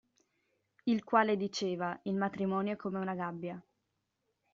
Il quale diceva: Il matrimonio è come una gabbia.